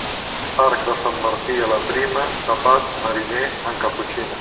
Arc de Sant Martí a la prima, tapa't, mariner, amb caputxina.